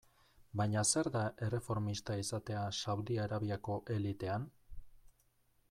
Baina zer da erreformista izatea Saudi Arabiako elitean?